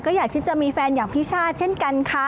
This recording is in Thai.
ก็อยากที่จะมีแฟนอย่างพี่ชาติเช่นกันค่ะ